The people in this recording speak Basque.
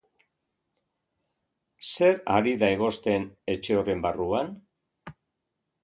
Zer ari da egosten etxe horren barruan?